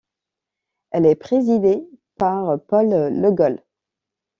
Elle est présidée par Paul Legoll.